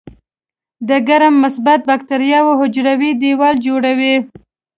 د ګرام مثبت باکتریاوو حجروي دیوال جوړوي.